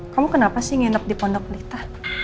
kamu kenapa sih nginep di pondok pelita